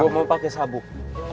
gue mau pake sabuk